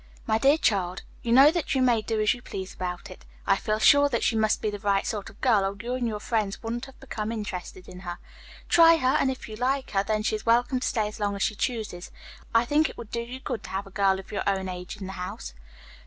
"My dear child, you know that you may do as you please about it. I feel sure that she must be the right sort of girl, or you and your friends wouldn't have become interested in her. Try her, and if you like her, then she is welcome to stay as long as she chooses. I think it would do you good to have a girl of your own age in the house."